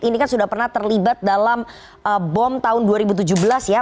ini kan sudah pernah terlibat dalam bom tahun dua ribu tujuh belas ya